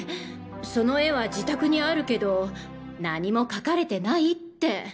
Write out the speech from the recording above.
その絵は自宅にあるけど何も書かれてないって。